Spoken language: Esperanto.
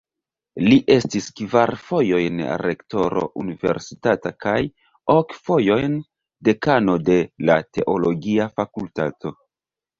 Li estis kvar fojojn rektoro universitata kaj ok fojojn dekano de la teologia fakultato.